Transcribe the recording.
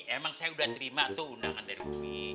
emang saya udah terima tuh undangan dari ubi